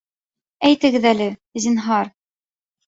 Әйтегеҙ әле, зинһар